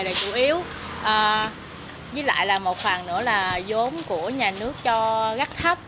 chỉ chủ yếu với lại là một phần nữa là giống của nhà nước cho gắt thấp